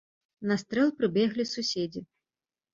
На стрэл прыбеглі суседзі.